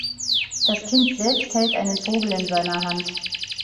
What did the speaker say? Das Kind selbst hält einen Vogel in seiner Hand.